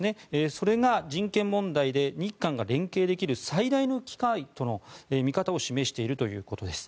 それが人権問題で日韓が連携できる最大の機会との見方を示しているということです。